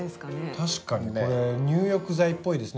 確かにこれ入浴剤っぽいですね。